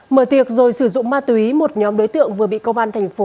mở tiệc rồi sử dụng ma túy một nhóm đối tượng vừa bị công an thành phố